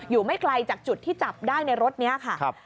ไม่ไกลจากจุดที่จับได้ในรถนี้ค่ะ